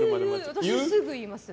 私、すぐ言います。